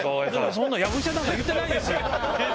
そんなやぶ医者なんか言ってないですよ。